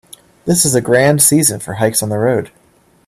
This is a grand season for hikes on the road.